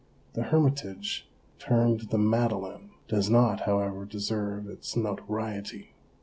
The hermitage termed the Madeleine does not, however, deserve its notoriety.